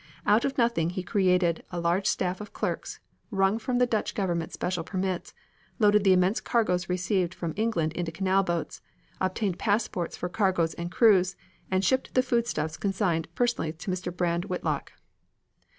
Out of nothing he created a large staff of clerks, wrung from the Dutch Government special permits, loaded the immense cargoes received from England into canal boats, obtained passports for cargoes and crews, and shipped the foodstuffs consigned personally to Mr. Brand Whitlock.